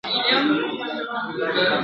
یو څه به پند وي یو څه عبرت دی ..